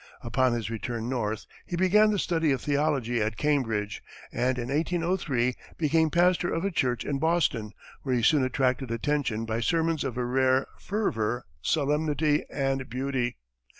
Upon his return north, he began the study of theology at Cambridge, and in 1803, became pastor of a church in Boston, where he soon attracted attention by sermons of a rare "fervor, solemnity, and beauty."